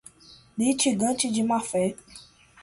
litigante de má-fé